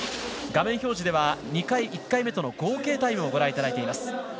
画面表示では１回目２回目との合計タイムをご覧いただきます。